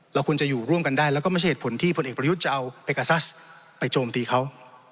ควรจะอยู่ร่วมกันได้แล้วก็ไม่ใช่เหตุผลที่พลเอกประยุทธ์จะเอาเอกาซไปโจมตีเขา